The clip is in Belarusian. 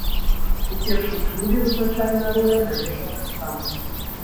У першым шлюбе вызначальная роля належала бацькам.